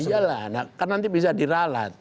iya lah kan nanti bisa diralat